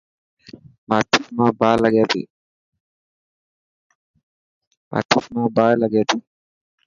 ماچس مان باهه لگي تي.